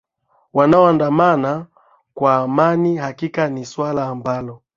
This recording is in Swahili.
wanaoandamana kwa amani hakika ni swala ambalo